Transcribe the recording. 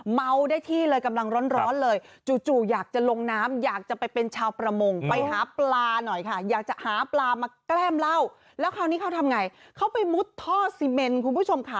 มาแกล้มเหล้าแล้วคราวนี้เขาทำไงเขาไปมุดท่อซีเมนท์คุณผู้ชมค่ะ